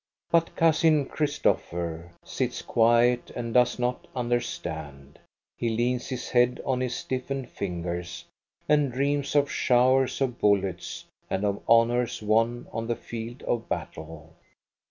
But Cousin Christopher sits quiet and does not understand. He leans his head on his stiffened fingers and dreams of showers of bullets and of honors won on the field of battle.